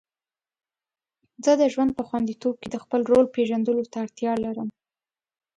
زه د ژوند په خوندیتوب کې د خپل رول پیژندلو ته اړتیا لرم.